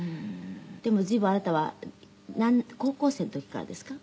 でも随分あなたは高校生の時からですか？